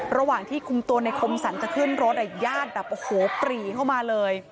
ระหว่างที่คุมตัวในคมสรรจะขึ้นรถญาติแบบโอ้โหปรีเข้ามาเลย